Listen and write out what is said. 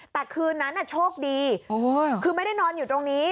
แต่คืนนั้นโชคดีคือไม่ได้นอนอยู่ตรงนี้